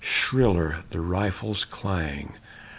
Shriller the rifles' clang!